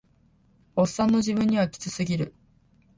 オッサンの自分にはキツすぎる